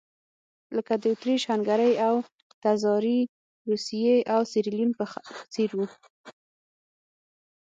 لکه د اتریش-هنګري او تزاري روسیې او سیریلیون په څېر وو.